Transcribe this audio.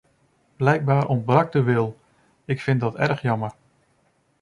Blijkbaar ontbrak de wil; ik vind dat erg jammer.